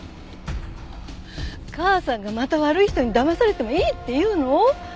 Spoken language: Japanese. もう母さんがまた悪い人にだまされてもいいっていうの！？